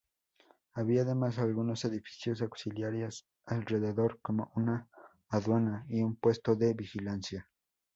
Había además algunos edificios auxiliares alrededor, como una aduana y un puesto de vigilancia.